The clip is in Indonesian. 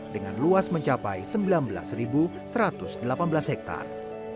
dengan luas mencapai sembilan belas satu ratus delapan belas hektare